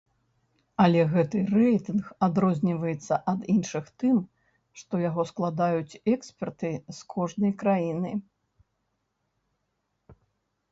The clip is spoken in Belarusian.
Але гэты рэйтынг адрозніваецца ад іншых тым, што яго складаюць эксперты з кожнай краіны.